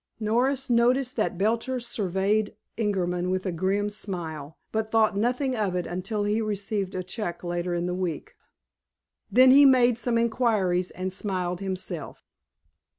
Norris noticed that Belcher surveyed Ingerman with a grim smile, but thought nothing of it until he received a check later in the week. Then he made some inquiries, and smiled himself.